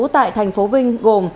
tại thành phố vinh gồm